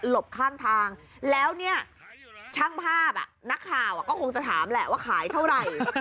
บข้างทางแล้วเนี่ยช่างภาพนักข่าวก็คงจะถามแหละว่าขายเท่าไหร่